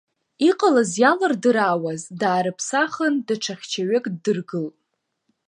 Иҟалаз иалырдыраауаз, даарыԥсахын, даҽа хьчаҩык ддыргылт.